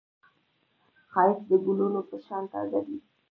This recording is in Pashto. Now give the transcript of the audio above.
ښایست د ګلونو په شان تازه دی